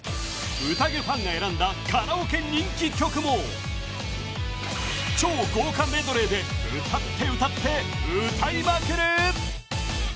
ファンが選んだカラオケ人気曲も超豪華メドレーで歌って歌って歌いまくる！